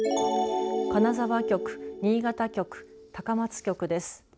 金沢局、新潟局、高松局です。